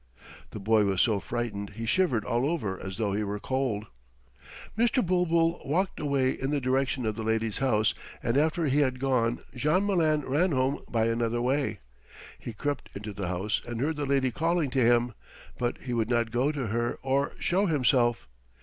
The boy was so frightened he shivered all over as though he were cold. Mr. Bulbul walked away in the direction of the lady's house, and after he had gone Jean Malin ran home by another way. He crept into the house and heard the lady calling to him, but he would not go to her or show himself.